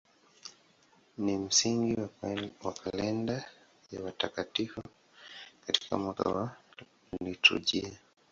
Ni msingi wa kalenda ya watakatifu katika mwaka wa liturujia.